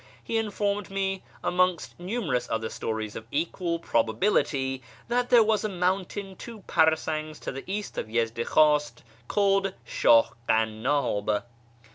He informed me, amongst numerous other stories of equal probability, that there was a mountain two parasangs to the east of Yezdikhwast called Shah Kannab.